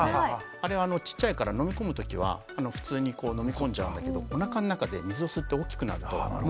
あれはちっちゃいから飲み込むときは普通に飲み込んじゃうんだけどおなかの中で水を吸って大きくなるともう出なくなっちゃうんですね。